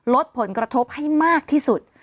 ลดผลกระทบให้มากที่สุด